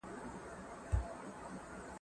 زه اجازه لرم چي لیکل وکړم.